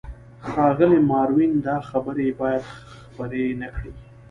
ښاغلی ماروین، دا خبرې باید خپرې نه کړې.